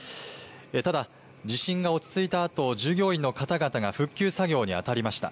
ただ地震が落ち着いたあと従業員の方々が復旧作業にあたりました。